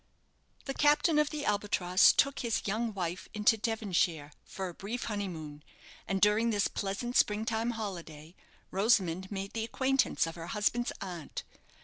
The captain of the "Albatross" took his young wife into Devonshire for a brief honeymoon; and during this pleasant spring time holiday, Rosamond made the acquaintance of her husband's aunt.